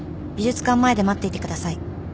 「美術館前で待っていてください」